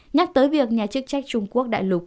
nhắc tới việc nhà chức trách trung quốc đại lục có thể